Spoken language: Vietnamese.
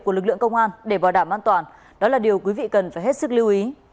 của lực lượng công an để bảo đảm an toàn đó là điều quý vị cần phải hết sức lưu ý